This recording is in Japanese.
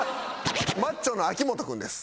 マッチョの秋本君です。